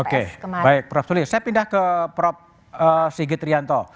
oke baik prof tulis saya pindah ke prof sigit rianto